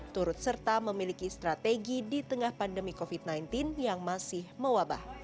turut serta memiliki strategi di tengah pandemi covid sembilan belas yang masih mewabah